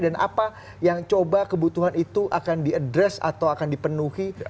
dan apa yang coba kebutuhan itu akan diadres atau akan dipenuhi